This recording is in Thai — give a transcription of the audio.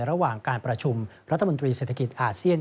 ระหว่างการประชุมรัฐมนตรีเศรษฐกิจอาเซียน